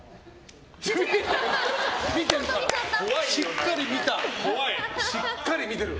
しっかり見てる。